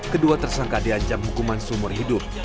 kedua tersangka diajak hukuman sumur hidup